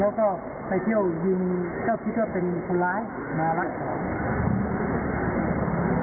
แล้วก็ไปเที่ยวยิงก็คิดว่าเป็นคนร้ายมารักของ